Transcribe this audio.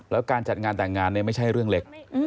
แล้วการจัดงานแต่งงานเนี่ยไม่ใช่เรื่องเล็ก